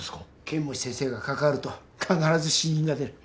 剣持先生が関わると必ず死人が出る。